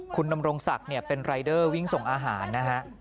คุณดำรงศักดิ์เป็นรายเดอร์วิ่งส่งอาหารนะฮะ